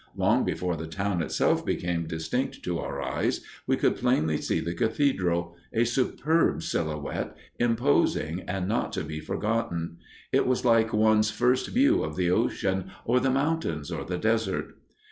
Long before the town itself became distinct to our eyes, we could plainly see the cathedral, a superb silhouette, imposing and not to be forgotten. It was like one's first view of the ocean or the mountains or the desert.